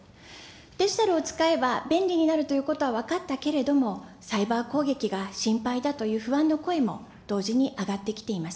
デジタルを使えば便利になるということは分かったけれども、サイバー攻撃が心配だというふうに不安の声も同時に上がってきています。